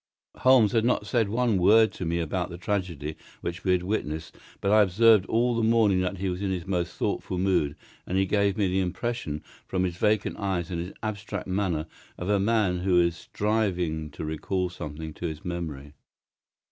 Holmes had not said one word to me about the tragedy which we had witnessed, but I observed all the morning that he was in his most thoughtful mood, and he gave me the impression, from his vacant eyes and his abstracted manner, of a man who is striving to recall something to his memory.